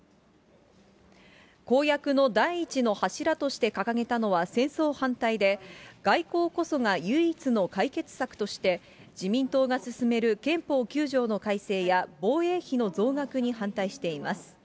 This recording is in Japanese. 公約の第１の柱として掲げたのは戦争反対で、外交こそが唯一の解決策として、自民党が進める憲法９条の改正や、防衛費の増額に反対しています。